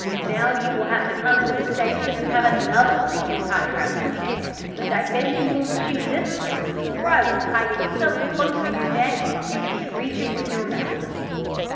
Now you will have to come into the station and have another wreath tied round your neck, and I bet you won't chew this one for I will tie it so close to your neck you can't reach it with your mouth."